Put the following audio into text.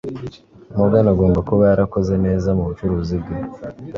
Morgan agomba kuba yarakoze neza mubucuruzi bwe,